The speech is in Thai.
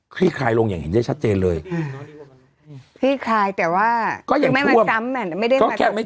ลี่คลายลงอย่างเห็นได้ชัดเจนเลยคลี่คลายแต่ว่าก็ยังไม่มาซ้ำ